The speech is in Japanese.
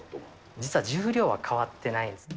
実は重量は変わってない。